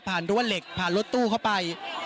รั้วเหล็กผ่านรถตู้เข้าไป